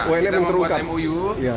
ya kita membuat mou